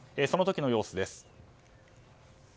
その時の様子です。